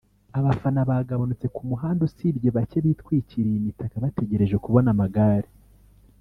abafana bagabanutse ku muhanda usibye bake bitwikiriye imitaka bategereje kubona amagare